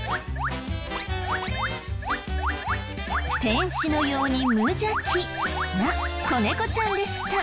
天使のように無邪気な子猫ちゃんでした。